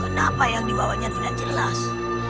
kenapa yang dibawanya tidak jelas